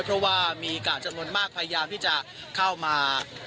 เพราะว่ามีกาดจำนวนมากพยายามที่จะเข้ามา